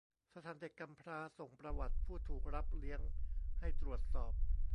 สถานเด็กกำพร้าส่งประวัติผู้ถูกรับเลี้ยงให้ตรวจสอบ